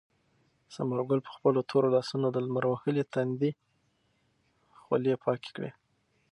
ثمر ګل په خپلو تورو لاسونو د لمر وهلي تندي خولې پاکې کړې.